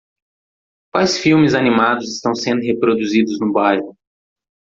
Quais filmes animados estão sendo reproduzidos no bairro?